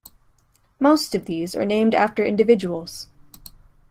Most of these are named after individuals.